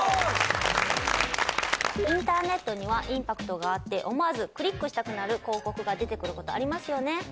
インターネットにはインパクトがあって思わずクリックしたくなる広告が出てくる事ありますよね。